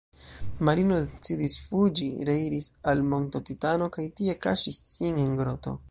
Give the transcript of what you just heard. Marino decidis fuĝi, reiris al Monto Titano kaj tie kaŝis sin en groto.